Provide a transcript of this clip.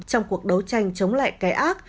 trong cuộc đấu tranh chống lại cái ác